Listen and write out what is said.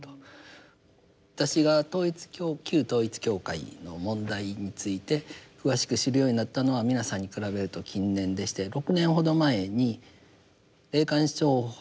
私が旧統一教会の問題について詳しく知るようになったのは皆さんに比べると近年でして６年ほど前に霊感商法対策